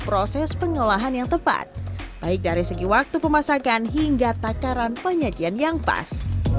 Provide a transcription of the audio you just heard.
proses pengolahan yang tepat baik dari segi waktu pemasakan hingga takaran penyajian yang pas